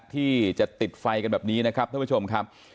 ที่จะติดไฟกันแบบนี้นะครับท่านผู้ชมครับ